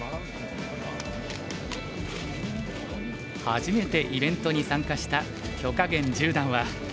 初めてイベントに参加した許家元十段は。